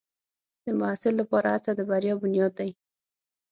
د محصل لپاره هڅه د بریا بنیاد دی.